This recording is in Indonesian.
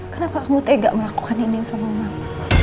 kenapa kamu tega melakukan ini sama mama